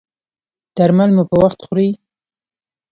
درمل مو په وخت خورئ؟